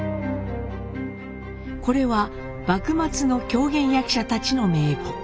これは幕末の狂言役者たちの名簿。